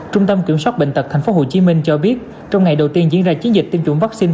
trung tâm kiểm soát bệnh tật tp hcm cho biết trong ngày đầu tiên diễn ra chiến dịch tiêm chủng vaccine